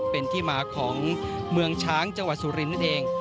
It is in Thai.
เป็นที่มาของเมืองช้างจังหวัดสุรินทร์นั่นเอง